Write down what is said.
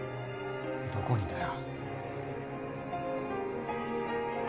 どこにだよ。